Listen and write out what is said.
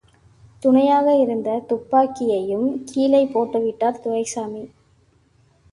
துணையாக இருந்த துப்பாக்கியையும் கீழே போட்டுவிட்டார் துரைசாமி.